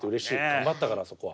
頑張ったからあそこは。